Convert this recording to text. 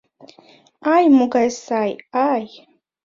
— Ай, могай сай, ай...